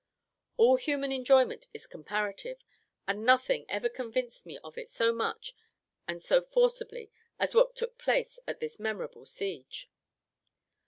All human enjoyment is comparative, and nothing ever convinced me of it so much and so forcibly as what took place at this memorable siege.